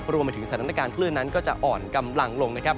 รวมไปถึงสถานการณ์คลื่นนั้นก็จะอ่อนกำลังลงนะครับ